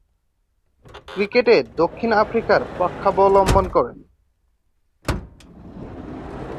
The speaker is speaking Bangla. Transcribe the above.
ক্রিকেটে দক্ষিণ আফ্রিকার পক্ষাবলম্বন করেন।